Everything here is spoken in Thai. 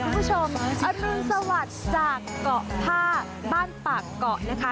ทะเลแสนงามค่ะคุณผู้ชมอนุนสวัสดิ์จากเกาะภาพบ้านปากเกาะนะคะ